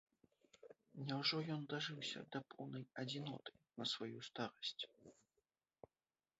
Няўжо ён дажыўся да поўнай адзіноты на сваю старасць?